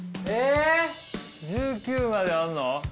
１９まであんの？